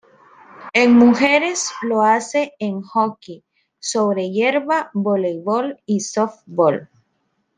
En mujeres, lo hace en Hockey sobre hierba, Voleibol, y Sóftbol.